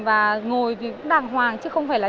và ngồi thì cũng đàng hoàng chứ không phải là